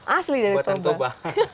asli dari toba